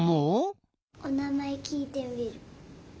おなまえきいてみる。